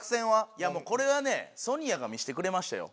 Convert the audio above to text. いやもうこれはねソニアが見してくれましたよ。